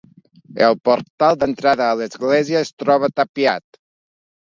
El portal d'entrada a l'església es troba tapiat.